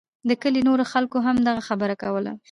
د کلي نورو خلکو هم دغه خبره کوله.